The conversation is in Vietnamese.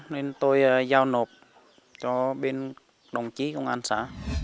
nên tôi giao nộp cho bên đồng chí công an xã